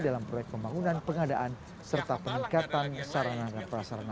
dalam proyek pembangunan pengadaan serta peningkatan saranan dan perasaran